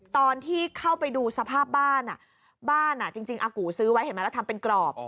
ตอนที่เข้าไปดูสภาพบ้านบ้านจริงอากูซื้อไว้เห็นไหมแล้วทำเป็นกรอบ